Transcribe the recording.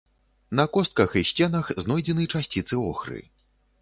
На костках і сценах знойдзены часціцы охры.